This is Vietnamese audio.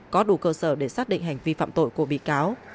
có đủ cơ sở để xác định hành vi phạm tội của bị cáo